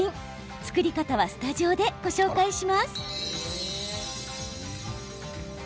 作り方はスタジオでご紹介します。